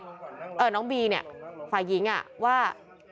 เรื่องน้องบีนี่ฝ่ายหญิงอะว่า